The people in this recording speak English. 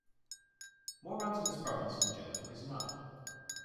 More mountainous province in general is not.